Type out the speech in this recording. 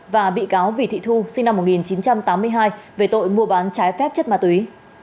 và bị cáo vì thị thu sinh năm một nghìn chín trăm tám mươi hai về tội mua bán trái phép chất ma túy